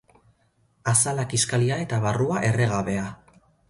Azala kiskalia eta barrua erre gabea.